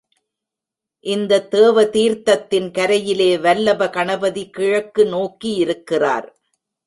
இந்த தேவ தீர்த்தத்தின் கரையிலே வல்லப கணபதி கிழக்கு நோக்கியிருக்கிறார்.